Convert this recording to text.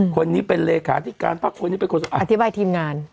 หัวหนี้เป็นเลขาทิการอธิบายทีมงาน